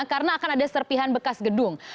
karena akan ada serpihan bekas gedung